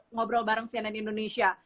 ngobrol bareng cnn indonesia